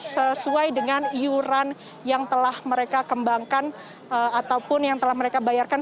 sesuai dengan iuran yang telah mereka kembangkan ataupun yang telah mereka bayarkan